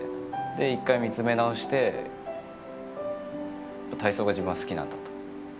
１回見つめ直して体操が自分は好きなんだと。